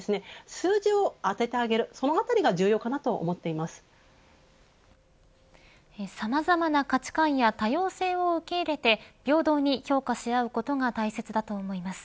数字を当ててあげるそのあたりが重要かなさまざまな価値観や多様性を受け入れて平等に評価し合うことが大切だと思います。